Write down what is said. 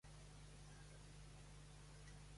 Jean Jové va ser un fotògraf francès nascut a Barcelona.